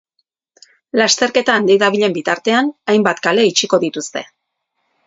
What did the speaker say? Lasterketa handik dabilen bitartean, hainbat kale itxiko dituzte.